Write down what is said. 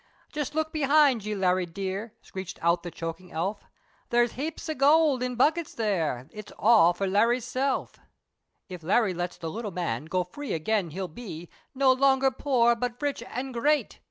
"Just look behind ye Larry dear," Screeched out the chokin' elf, "There's hapes of goold in buckets there, It's all for Larry's self! If Larry lets the little man Go free again, he'll be No longer poor but rich an' great!"